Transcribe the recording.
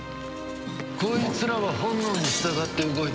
こいつらは本能に従って動いてる。